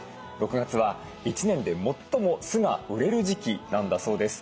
６月は一年で最も酢が売れる時期なんだそうです。